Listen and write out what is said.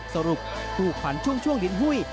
สรุปถูกพันช่วงลินหุ้ย